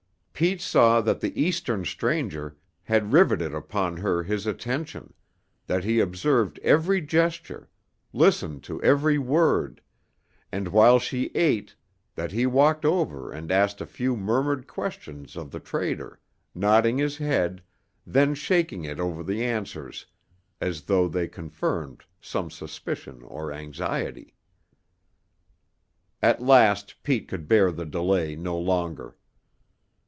Pete saw that the Eastern stranger had riveted upon her his attention, that he observed every gesture, listened to every word, and while she ate, that he walked over and asked a few murmured questions of the trader, nodding his head, then shaking it over the answers as though they confirmed some suspicion or anxiety. At last Pete could bear the delay no longer.